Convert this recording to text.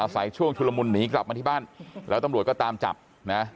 ช่วงชุลมุนหนีกลับมาที่บ้านแล้วตำรวจก็ตามจับนะ